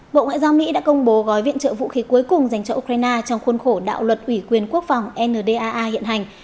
bộ ngoại giao mỹ đã công bố gói viện trợ vũ khí cuối cùng dành cho ukraine trong khuôn khổ đạo luật ủy quyền quốc phòng ndaa hiện hành